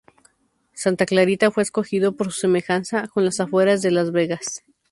Santa Clarita fue escogido por su semejanza con las afueras de Las Vegas.